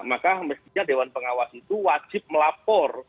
maka mestinya dewan pengawas itu wajib melapor